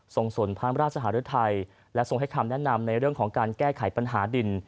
ส่งสนพระราชหารุทัยและทรงให้คำแนะนำในเรื่องของการแก้ไขปัญหาดิน